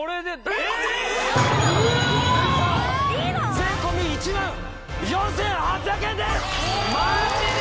税込１４８００円ですマジで？